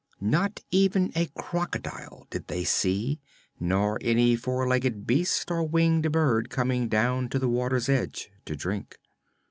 Not even a crocodile did they see, nor any four legged beast or winged bird coming down to the water's edge to drink.